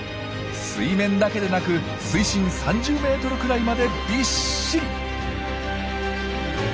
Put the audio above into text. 水面だけでなく水深３０ｍくらいまでびっしり。